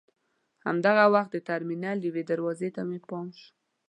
همدغه وخت د ټرمینل یوې دروازې ته مې پام شو.